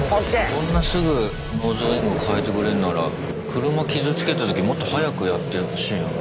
こんなすぐノーズウィング換えてくれるんなら車傷つけた時もっと早くやってほしいよね。